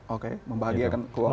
oke membahayakan keuangan